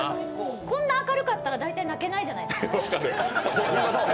こんな明るかったら、大体泣けないじゃないですか。